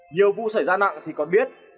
nhiều vụ xảy ra nặng thì con biết